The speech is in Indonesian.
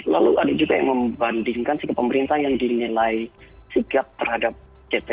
lalu ada juga yang membandingkan sikap pemerintah yang dinilai sigap terhadap ct